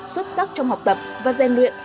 xuất sắc trong học tập và gian luyện